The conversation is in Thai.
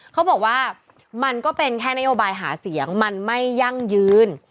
เขาบอกว่ามันก็เป็นแค่นโยบายหาเสียงมันไม่ยั่งยืน